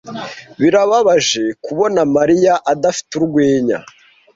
Birababaje kubona Mariya adafite urwenya.